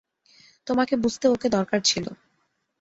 তোমাকে বুঝতে ওকে দরকার ছিল।